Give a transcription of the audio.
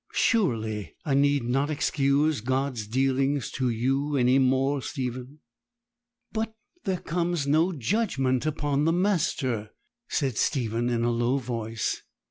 Surely I need not excuse God's dealings to you any more, Stephen.' 'But there comes no judgment upon the master,' said Stephen in a low voice.